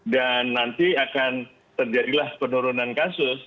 dan nanti akan terjadilah penurunan kasus